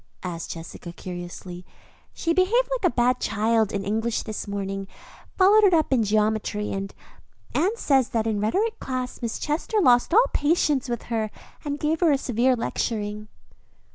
asked Jessica curiously. "She behaved like a bad child in English this morning, followed it up in geometry; and Anne says that in rhetoric class Miss Chester lost all patience with her and gave her a severe lecturing."